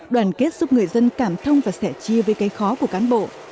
đoàn kết giúp người dân cảm thông và sẻ chia với cái khó của cán bộ